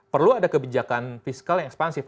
perlu ada kebijakan fiskal yang ekspansif